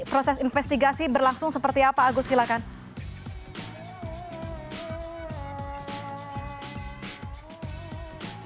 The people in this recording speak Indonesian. terus investigasi berlangsung seperti apa agus silahkan